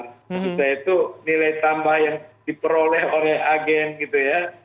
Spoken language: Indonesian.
maksud saya itu nilai tambah yang diperoleh oleh agen gitu ya